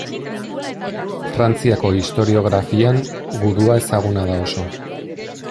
Frantziako historiografian gudua ezaguna da oso.